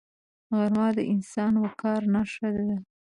غرمه د انساني وقار نښه ده